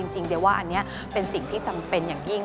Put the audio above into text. จริงเดี๋ยวว่าอันนี้เป็นสิ่งที่จำเป็นอย่างยิ่ง